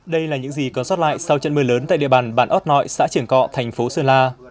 đây là những gì còn sót lại sau trận mưa lớn tại địa bàn bản ót nội xã triển cọ thành phố sơn la